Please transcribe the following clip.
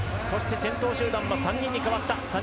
先頭集団は３人に変わった。